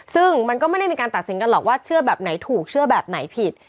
ซึ่งมันก็ไม่ได้มีการตัดสินกันหรอกว่าเชื่อแบบไหนถูกเชื่อแบบไหนผิด